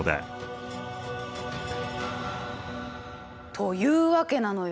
というわけなのよ。